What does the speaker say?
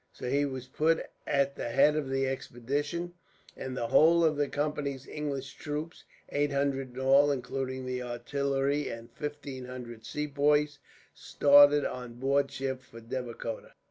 So he was put at the head of the expedition; and the whole of the Company's English troops, eight hundred in all, including the artillery; and fifteen hundred Sepoys, started on board ship for Devikota.